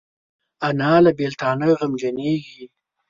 انا له بیلتانه غمجنېږي